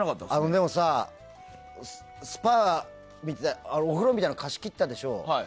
でもさ、お風呂みたいなの貸し切ったでしょ。